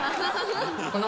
この。